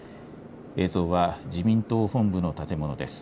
映像は自民党本部の建物です。